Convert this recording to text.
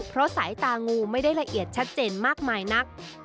เพราะสายตางูไม่ได้ละเอียดชัดเจนมากมายนัก